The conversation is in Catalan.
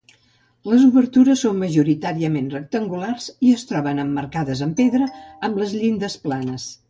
Les obertures són majoritàriament rectangulars i es troben emmarcades en pedra, amb les llindes planes.